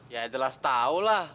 ya jelas tau lah